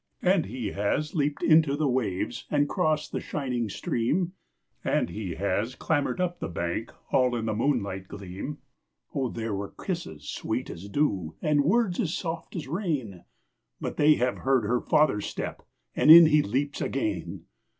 And he has leaped into the waves, and crossed the shining stream, And he has clambered up the bank, all in the moonlight gleam; Oh there were kisses sweet as dew, and words as soft as rain, But they have heard her father's step, and in he leaps again!